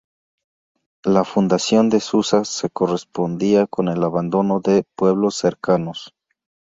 La fundación de Susa se correspondía con el abandono de pueblos cercanos.